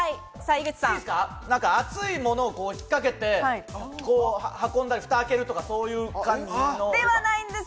熱いものを引っ掛けて運んだり、ふた開けるとか、そういう感じの。ではないんです。